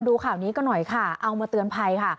ดูข่าวนี้ก็หน่อยค่ะเอามาเตือนภัยค่ะ